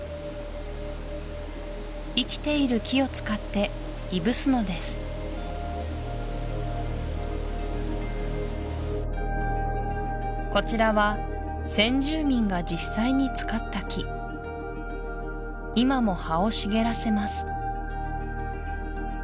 生きている木を使っていぶすのですこちらは先住民が今も葉を茂らせます